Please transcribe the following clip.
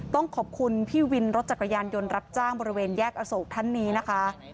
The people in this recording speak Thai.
ต้องขอบคุณพี่วินรถจักรยานยนต์รับจ้างบริเวณแยกอโศกท่านนี้นะคะ